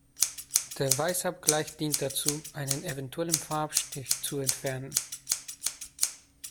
Der Weißabgleich dient dazu, einen eventuellen Farbstich zu entfernen.